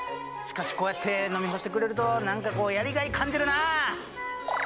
しかしこうやって飲み干してくれると何かこうやりがい感じるな。